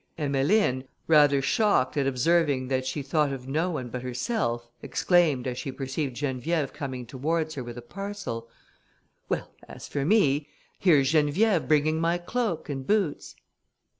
Emmeline, rather shocked at observing that she thought of no one but herself, exclaimed, as she perceived Geneviève coming towards her with a parcel, "Well! as for me, here's Geneviève bringing my cloak and boots."